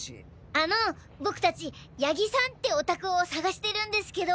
あの僕たち谷木さんってお宅を探してるんですけど。